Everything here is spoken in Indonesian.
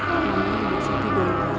ini yang masih tiba tiba